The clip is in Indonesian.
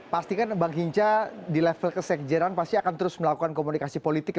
pastikan bang hinca di level kesekjenan pasti akan terus melakukan komunikasi politik